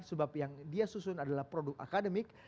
sebab yang dia susun adalah produk akademik